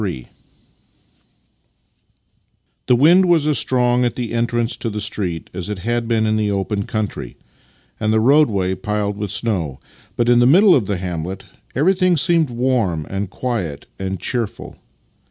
III The wind was as strong at the entrance to the street as it had been in the open country, and the roadway piled with snow, but in the middle of the hamlet everything seemed warm and quiet and cheerful.